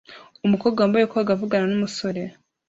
Umukobwa wambaye koga avugana numusore